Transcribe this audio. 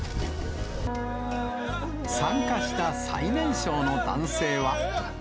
参加した最年少の男性は。